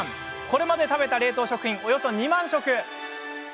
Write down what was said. これまで食べた冷凍食品はおよそ２万食。